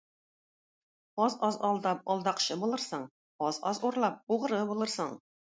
Аз-аз алдап алдакчы булырсың, аз-аз урлап угыры булырсың.